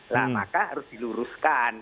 lah maka harus diluruskan